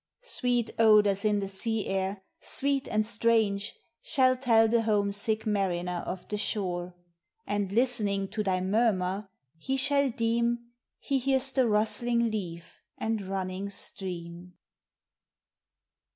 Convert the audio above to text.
Sweet odors in the sea air, sweet and strange, Shall tell the homesick mariner of the shore; And, listening to thy murmur, he shall deem He hears the rustling leaf and running stream.